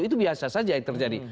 itu biasa saja yang terjadi